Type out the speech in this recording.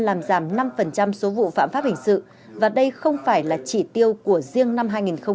làm giảm năm số vụ phạm pháp hình sự và đây không phải là chỉ tiêu của riêng năm hai nghìn một mươi chín